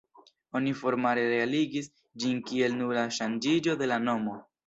Oni formale realigis ĝin kiel nura ŝanĝiĝo de la nomo.